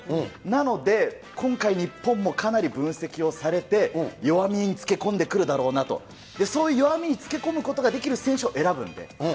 なので、今回、日本もかなり分析をされて、弱みに付け込んでくるだろうなと。その弱みに付け込むことができる選手を選ぶんで。